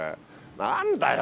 何だよ